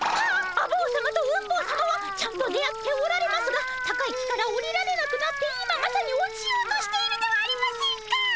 あ坊さまとうん坊さまはちゃんと出会っておられますが高い木から下りられなくなって今まさに落ちようとしているではありませんか！